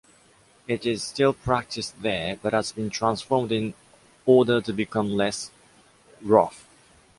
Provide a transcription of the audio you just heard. It is still practiced there, but has been transformed in order to become less rough.